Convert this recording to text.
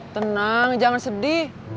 tenang jangan sedih